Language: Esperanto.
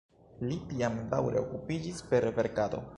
Li tiam daŭre okupiĝis per verkado.